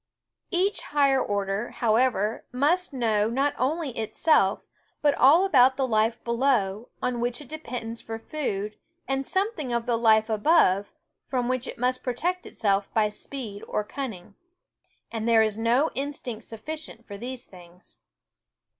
Each higher order, however, must know not only itself but all about the life below, on '* which it depends for food, and some thing of the life above, from which it must protect itself by speed or cunning; and there is no instinct sufficient for these things.